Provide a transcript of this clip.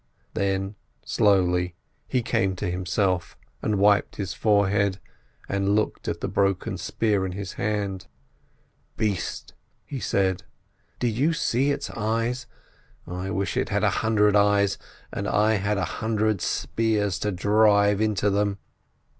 Then slowly he came to himself, and wiped his forehead, and looked at the broken spear in his hand. "Beast!" he said. "Did you see its eyes? Did you see its eyes? I wish it had a hundred eyes, and I had a hundred spears to drive into them!"